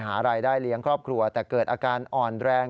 หารายได้เลี้ยงครอบครัวแต่เกิดอาการอ่อนแรง